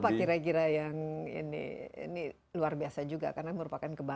apa kira kira yang ini luar biasa juga karena merupakan kebakaran